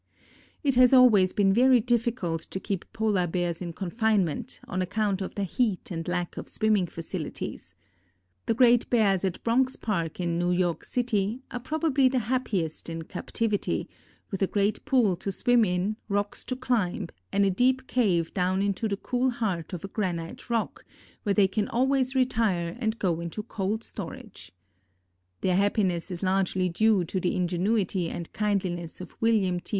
It has always been very difficult to keep Polar Bears in confinement, on account of the heat and lack of swimming facilities. The great bears at Bronx Park in New York City are probably the happiest in captivity; with a great pool to swim in, rocks to climb and a deep cave down into the cool heart of a granite rock, where they can always retire and go into cold storage. Their happiness is largely due to the ingenuity and kindliness of William T.